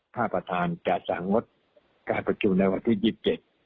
ค่าประธานสนุกจะสางงดการประชุมในวันพุธที่๒๗